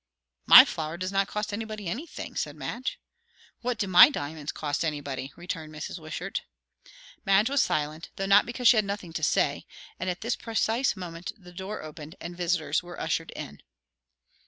"My flower does not cost anybody anything," said Madge. "What do my diamonds cost anybody?" returned Mrs. Wishart. Madge was silent, though not because she had nothing to say; and at this precise moment the door opened, and visitors were ushered in.